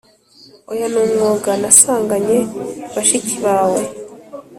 oya numwuga nasanganye bashiki bawe